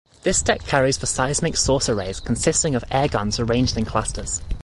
This deck carries the seismic source arrays, consisting of air guns arranged in clusters.